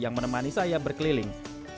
yang menemani saya berkeliling